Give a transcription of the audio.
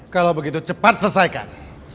kalau begitu cepat selesaikan